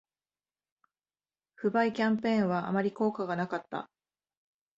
不買キャンペーンはあまり効果がなかった